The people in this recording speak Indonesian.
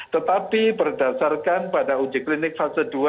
tetapi berdasarkan pada uji klinik fase dua